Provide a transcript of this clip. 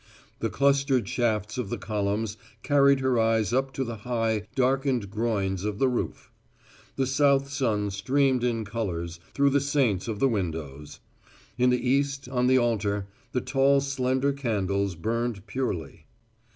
The clustered shafts of the columns carried her eyes up to the high, darkened groins of the roof. The south sun streamed in colors through the saints of the windows. In the east, on the altar, the tall slender candles burned purely.